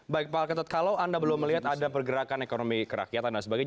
baik pak alketot kalau anda belum melihat ada pergerakan ekonomi kerakyatan dan sebagainya